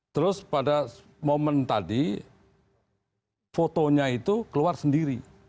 terus pada momen tadi fotonya itu keluar sendiri